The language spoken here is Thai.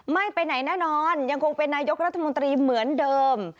ไม่ไปไหนแน่นอนยังคงเป็นนายกรัฐมนตรีเหมือนเดิม